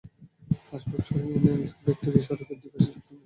আসবাব সরিয়ে এনে আইস ফ্যাক্টরি সড়কের দুই পাশে রাখতে শুরু করেন।